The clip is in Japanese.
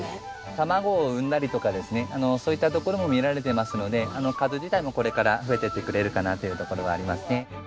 卵を産んだりとかですねそういったところも見られてますので数自体もこれから増えていってくれるかなっていうところはありますね。